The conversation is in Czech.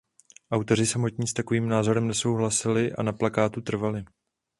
Autoři samotní s takovým názorem nesouhlasili a na plakátu trvali.